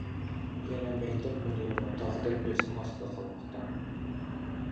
يەنە مەكتەپ مۇدىرىمۇ« تاغدەك بېسىم» ئاستىدا قالماقتا.